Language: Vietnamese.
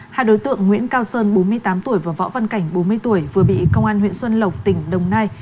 hai đối tượng nguyễn cao sơn bốn mươi tám tuổi và võ văn cảnh bốn mươi tuổi vừa bị công an huyện xuân lộc tỉnh đồng nai